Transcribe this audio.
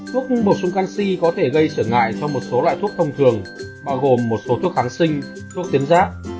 thuốc bổ sung canxi có thể gây sửa ngại cho một số loại thuốc thông thường bao gồm một số thuốc kháng sinh thuốc tiến giác